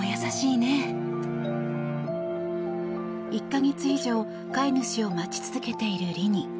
１か月以上飼い主を待ち続けているリニ。